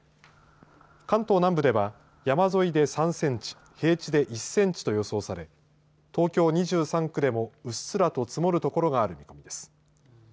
関東南部では山沿いで３センチ平地で１センチと予想され東京２３区でもうっすらと積もる所がある見込みです。